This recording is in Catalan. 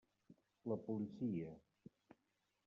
La policia.